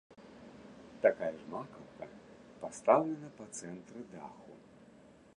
Такая ж макаўка пастаўлена па цэнтры даху.